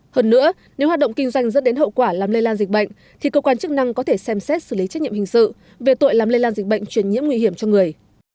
hơn nữa nếu hoạt động kinh doanh dẫn đến hậu quả làm lây lan dịch bệnh thì cơ quan chức năng có thể xem xét xử lý trách nhiệm hình sự về tội làm lây lan dịch bệnh truyền nhiễm nguy hiểm cho người